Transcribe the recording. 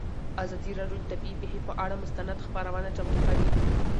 ازادي راډیو د طبیعي پېښې پر اړه مستند خپرونه چمتو کړې.